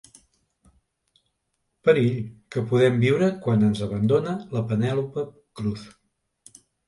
Perill que podem viure quan ens abandona la Penèlope Cruz.